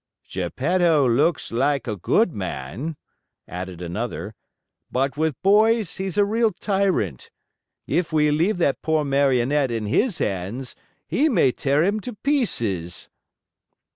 "Geppetto looks like a good man," added another, "but with boys he's a real tyrant. If we leave that poor Marionette in his hands he may tear him to pieces!"